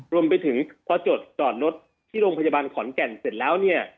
รวมไปถึงพอจดจอดรถที่โรงพยาบาลขอนแก่นเสร็จแล้วเนี่ย